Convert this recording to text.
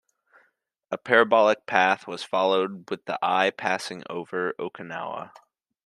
A parabolic path was followed, with the eye passing over Okinawa.